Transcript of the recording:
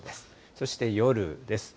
そして夜です。